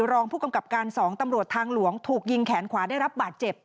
รองผู้กำกับการ๒ตำรวจทางหลวงถูกยิงแขนขวาได้รับบาดเจ็บ